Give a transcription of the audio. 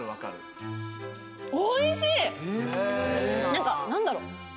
何か何だろ？